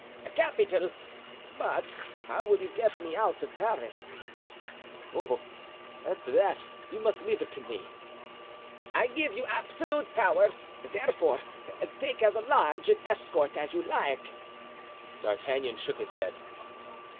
"Capital; but how will you get me out of Paris?" "Oh! as to that, you must leave it to me." "I give you absolute power, therefore; take as large an escort as you like." D'Artagnan shook his head.